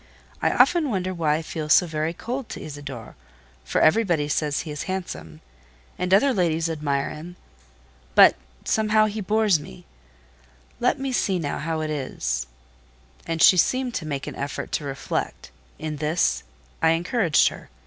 I often wonder why I feel so very cold to Isidore, for everybody says he is handsome, and other ladies admire him; but, somehow, he bores me: let me see now how it is…." And she seemed to make an effort to reflect. In this I encouraged her.